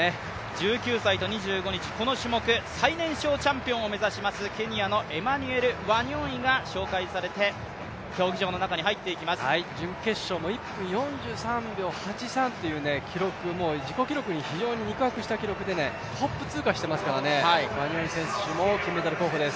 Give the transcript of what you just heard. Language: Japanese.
１９歳と２５日、この種目最年少チャンピオンを目指しますケニアのエマニュエル・ワニョンイが紹介されて、準決勝も１分４３秒８３という記録、自己記録に非常に肉薄した記録でトップ通過してますからワニョンイ選手も金メダル候補で